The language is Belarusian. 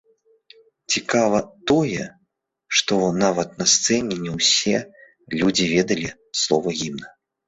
Цікава тое, што нават на сцэне не ўсе людзі ведалі словы гімна.